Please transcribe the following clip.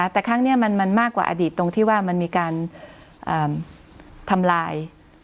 แต่ครั้งนี้มันมากกว่าอดีตตรงที่ว่ามันมีการทำลาย